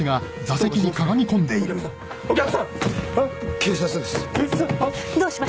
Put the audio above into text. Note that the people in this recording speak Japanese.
警察です。